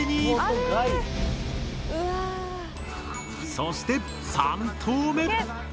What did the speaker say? そして３投目。